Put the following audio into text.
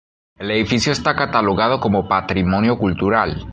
El edificio está catalogado como patrimonio cultural.